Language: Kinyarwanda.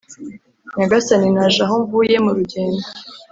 “Nyagasani, naje aha mvuye mu rugendo